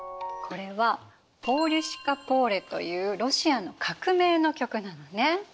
これは「ポーリュシカ・ポーレ」というロシアの革命の曲なのね。